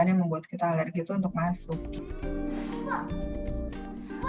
bahan yang membuat kita alergi tuh untuk masuk